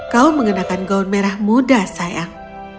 kau mengenakan gaun merah muda sayang